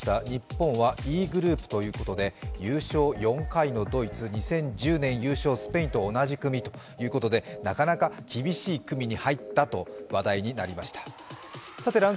日本はＥグループということでドイツ２０１０年優勝、スペインと一緒の組ということでなかなか厳しい組に入ったと話題になりました。